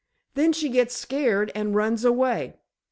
"Then she gets scared and runs away."